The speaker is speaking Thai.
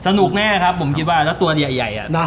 สนุกแน่นะครับผมคิดว่าถ้าตัวใหญ่อ่ะ